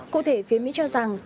cụ thể phía mỹ cho rằng